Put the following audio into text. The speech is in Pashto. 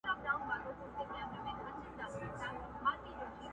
نر دي بولم که ایمان دي ورته ټینګ سو!!